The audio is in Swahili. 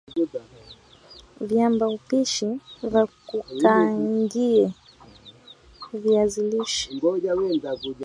Viambaupishi vya kukaangie viazi lishe